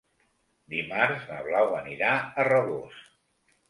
Dimarts na Blau anirà a Rabós.